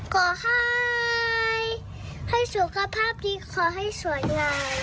ขอให้ให้สุขภาพดีขอให้สวยงาม